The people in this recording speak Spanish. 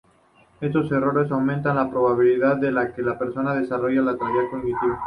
Estos errores aumentan la probabilidad de que la persona desarrolle la tríada cognitiva.